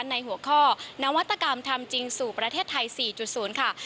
ในหัวข้อนวัตกรรมทำจริงสู่ประเทศไทย๔๐ค่ะ